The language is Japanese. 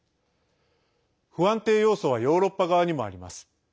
不安定要素はヨーロッパ側にもあります。